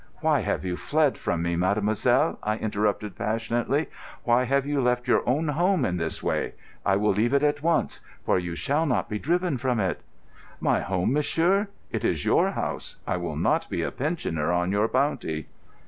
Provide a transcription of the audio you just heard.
"Why have you fled from me, mademoiselle?" I interrupted passionately. "Why have you left your own home in this way? I will leave it at once—for you shall not be driven from it." "My home, monsieur? It is your house. I will not be a pensioner on your bounty."